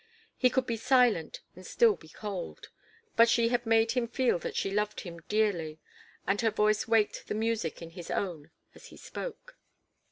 He could be silent and still be cold. But she had made him feel that she loved him dearly, and her voice waked the music in his own as he spoke.